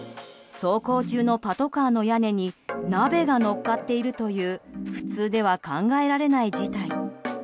走行中のパトカーの屋根に鍋が乗っかっているという普通では考えられない事態。